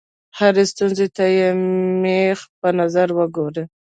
هرې ستونزې ته د مېخ په نظر وګورئ.